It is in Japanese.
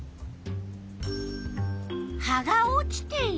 葉が落ちている。